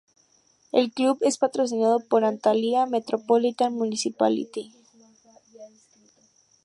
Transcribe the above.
El club es patrocinado por Antalya Metropolitan Municipality.